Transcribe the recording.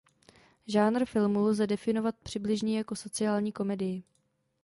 Žánr filmu lze definovat přibližně jako sociální komedii.